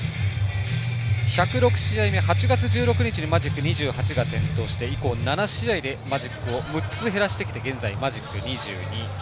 １０６試合目、８月１６日にマジックが点灯して以降、７試合でマジックを６つ減らしてきて現在マジック２２。